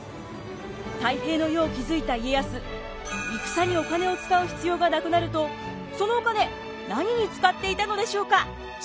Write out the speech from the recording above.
太平の世を築いた家康戦にお金を使う必要がなくなるとそのお金何に使っていたのでしょうか？